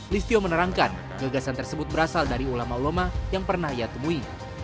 listio menerangkan gagasan tersebut berasal dari ulama ulama yang pernah ia temui